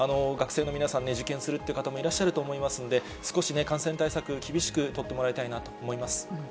学生の皆さん、受験するって方もいらっしゃると思いますので、少し感染対策、厳しく取ってもらいたいなと思います。